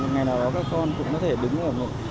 ngày nào đó các con cũng có thể đứng ở một